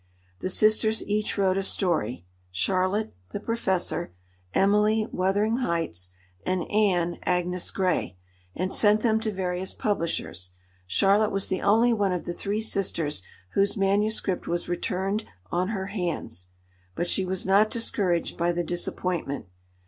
The sisters each wrote a story—Charlotte, The Professor; Emily, Wuthering Heights; and Anne, Agnes Grey, and sent them to various publishers. Charlotte was the only one of the three sisters whose manuscript was returned on her hands. But she was not discouraged by the disappointment.